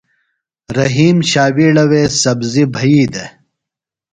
رحیم ݜاوِیڑہ وے سبزیۡ بھیِئی دےۡ۔